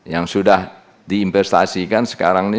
yang sudah diinvestasikan sekarang ini